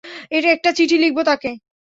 একটা চিঠি লিখব তাকে?